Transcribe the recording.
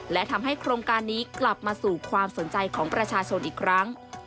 และทำให้โครงการนี้กลับมาสู่ความสนใจของประชาชนอีกครั้ง